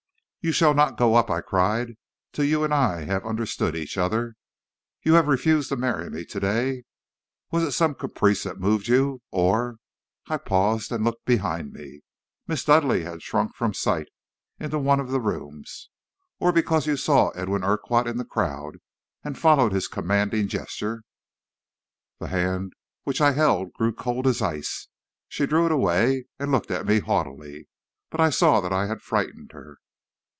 "'You shall not go up,' I cried, 'till you and I have understood each other. You have refused to marry me to day. Was it some caprice that moved you, or ' I paused and looked behind me; Miss Dudleigh had shrunk from sight into one of the rooms 'or because you saw Edwin Urquhart in the crowd and followed his commanding gesture?' "The hand which I held grew cold as ice. She drew it away and looked at me haughtily, but I saw that I had frightened her.